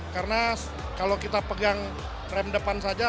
karena kalau kita pegang rem depan saja